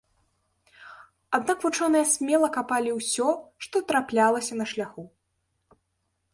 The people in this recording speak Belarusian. Аднак вучоныя смела капалі ўсё, што траплялася на шляху.